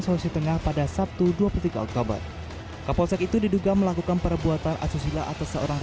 sulawesi tengah pada sabtu dua puluh tiga oktober kapolsek itu diduga melakukan perbuatan asusila atas seorang